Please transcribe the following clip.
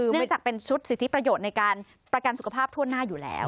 เนื่องจากเป็นชุดสิทธิประโยชน์ในการประกันสุขภาพทั่วหน้าอยู่แล้ว